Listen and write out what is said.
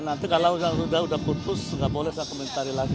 nanti kalau sudah putus nggak boleh saya komentari lagi